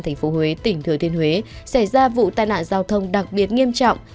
tp huế tỉnh thừa thiên huế xảy ra vụ tai nạn giao thông đặc biệt nghiêm trọng